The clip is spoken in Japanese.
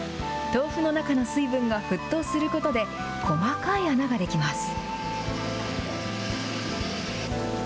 豆腐の中の水分が沸騰することで、細かい穴が出来ます。